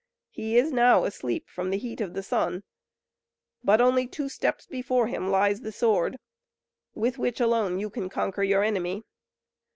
He is now asleep from the heat of the sun; but only two steps before him lies the sword, with which alone you can conquer your enemy.